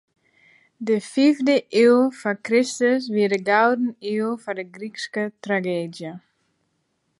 De fiifde iuw foar Kristus wie de gouden iuw foar de Grykske trageedzje.